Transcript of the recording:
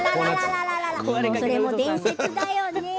それも伝説だよね。